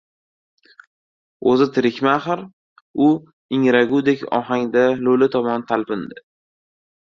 — O‘zi tirikmi axir? — u ingragudek ohangda lo‘li tomon talpindi.